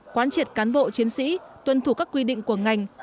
quán triệt cán bộ chiến sĩ tuân thủ các quy định của ngành